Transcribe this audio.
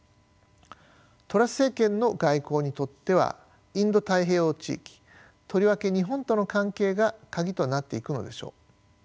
トラス政権の外交にとってはインド太平洋地域とりわけ日本との関係が鍵となっていくのでしょう。